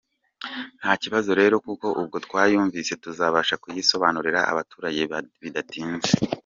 Nta kibazo rero kuko ubwo twayumvise tuzabasha kuyisobanurira abaturage bidatinze.